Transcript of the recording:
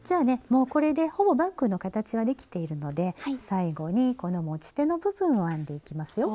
もうこれでほぼバッグの形はできているので最後にこの持ち手の部分を編んでいきますよ。